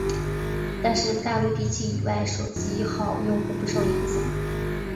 但是大陆地区以外手机号用户不受影响。